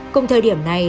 cùng thời điểm này